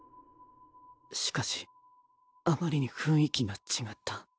しかしあまりに雰囲気が違った。